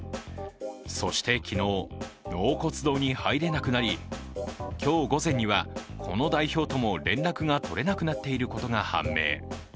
そして昨日、納骨堂に入れなくなり今日午前にはこの代表とも連絡が取れなくなっていることが判明。